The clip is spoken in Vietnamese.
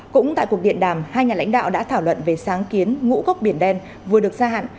cũng tại cuộc điện đàm hai nhà lãnh đạo đã thảo luận về sáng kiến ngũ cốc biển đen vừa được gia hạn